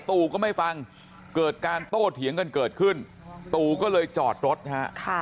ตู่ก็ไม่ฟังเกิดการโต้เถียงกันเกิดขึ้นตู่ก็เลยจอดรถฮะ